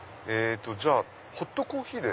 じゃあホットコーヒーで。